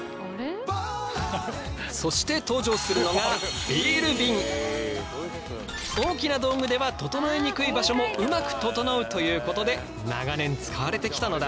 そして登場するのが大きな道具では整えにくい場所もうまく整うということで長年使われてきたのだ。